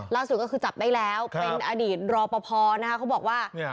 ล่าสุดก็คือจับได้แล้วเป็นอดีตรอปภนะคะเขาบอกว่า